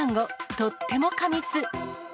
とっても過密。